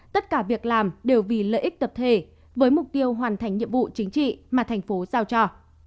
tất cả việc làm đều vì lợi ích tập thể với mục tiêu hoàn thành nhiệm vụ chính trị mà thành phố giao cho